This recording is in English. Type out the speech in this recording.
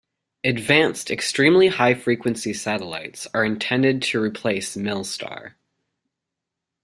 Advanced Extremely High Frequency satellites are intended to replace Milstar.